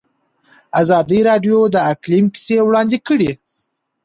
ازادي راډیو د اقلیم کیسې وړاندې کړي.